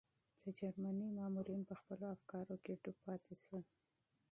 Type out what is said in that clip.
د جرمني مامورین په خپلو افکارو کې ډوب پاتې شول.